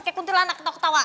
kayak kuntilanak ketawa ketawa